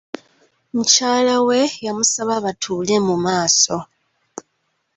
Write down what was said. Mukyala we yamusaba batuule mu maaso.